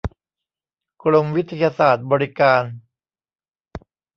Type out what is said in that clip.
กรมวิทยาศาสตร์บริการ